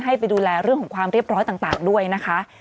ให้ไปดูแลเรื่องของความเรียบร้อยต่างด้วยนะคะ